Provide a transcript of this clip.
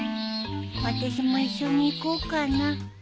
あたしも一緒に行こうかな。